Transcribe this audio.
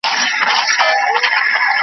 ¬ د خره مابت لا گوز دئ، لا لغته.